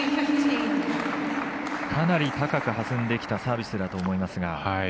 かなり高く弾んできたサービスだと思いますが。